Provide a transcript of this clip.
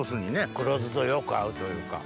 黒酢とよく合うというか。